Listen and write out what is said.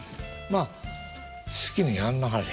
まあ好きにやんなはれ。